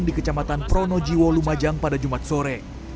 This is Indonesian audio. di kecamatan pronojiwo lumajang pada jumat sore